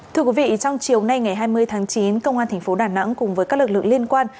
thưa quý vị trong chiều nay ngày hai mươi tháng chín công an thành phố đà nẵng cùng với các lực lượng liên quan